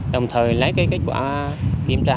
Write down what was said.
đồng thời lấy kết quả kiểm tra